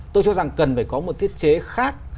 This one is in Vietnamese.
tôi cho rằng cần phải có một thiết chế khác